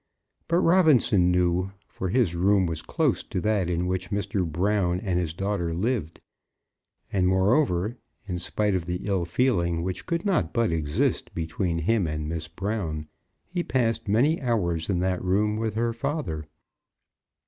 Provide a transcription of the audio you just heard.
But Robinson knew, for his room was close to that in which Mr. Brown and his daughter lived; and, moreover, in spite of the ill feeling which could not but exist between him and Miss Brown, he passed many hours in that room with her father.